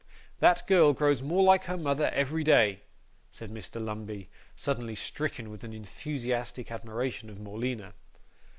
'That girl grows more like her mother every day,' said Mr. Lumbey, suddenly stricken with an enthusiastic admiration of Morleena.